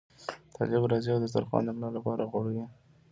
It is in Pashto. طالب راځي او دسترخوان د ملا لپاره غوړوي.